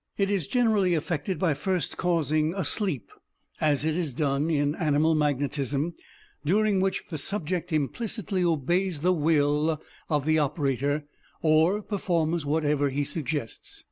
It is generally effected by first causing a sleep, as is done in animal magnetism, during which the subject implicitly obeys the will of the operator, or performs whatever he suggests.